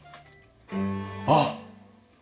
あっ！